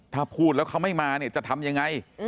ถ้าพูดแล้วเขาไม่มาเนี่ยจะทำยังไง